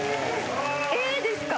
「え！？」ですか？